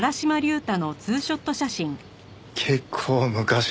結構昔の。